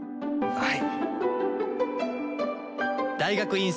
はい！